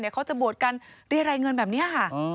เดี๋ยวเขาจะบวชกันเรียร่ายเงินแบบเนี่ย